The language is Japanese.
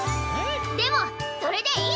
でもそれでいいのにゃ！